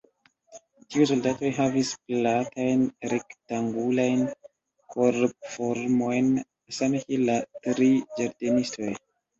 Tiuj soldatoj havis platajn rektangulajn korpformojn—same kiel la tri ĝardenistoj.